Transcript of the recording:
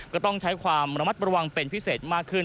ก็ต้องใช้ความระมัดระวังเป็นพิเศษมากขึ้น